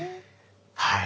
はい。